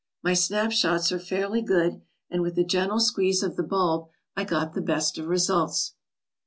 My snapshots are fairly good, and with a gentle squeeze of the bulb I got the best of results.